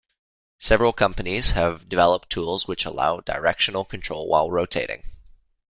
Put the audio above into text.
Several companies have developed tools which allow directional control while rotating.